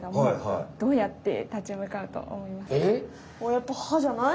やっぱ歯じゃない？